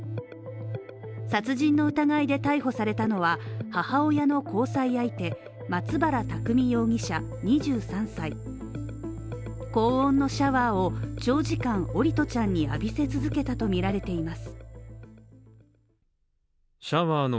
殺人の疑いで逮捕されたのは母親の交際相手松原拓海容疑者２３歳、高温のシャワーを長時間桜利斗ちゃんに浴びせ続けたとみられています。